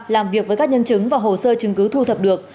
làm việc với các nhân chứng và hồ sơ chứng cứ thu thập được